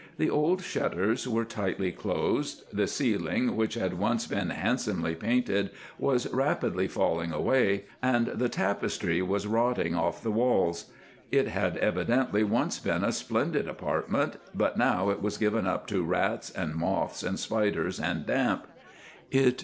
The old shutters were tightly closed. The ceiling, which had once been handsomely painted, was rapidly falling away, and the tapestry was rotting off the walls. It had evidently once been a splendid apartment, but now it was given up to rats and moths and spiders and damp.